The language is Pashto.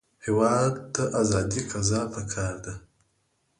هېواد ته ازاد قضا پکار دی